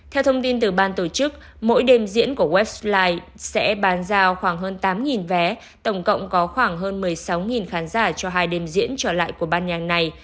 theo thông tin từ ban tổ chức mỗi đêm diễn của westline sẽ bán giao khoảng hơn tám vé tổng cộng có khoảng hơn một mươi sáu khán giả cho hai đêm diễn trở lại của ban nhạc này